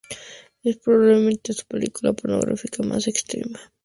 Es, probablemente, su película pornográfica más extrema.